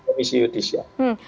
komisi yudis ya